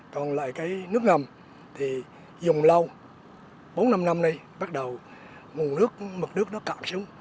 còn lại cái nước ngầm thì dùng lâu bốn năm năm nay bắt đầu nguồn nước mực nước nó cạn xuống